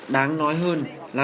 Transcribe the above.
đáng nói hơn là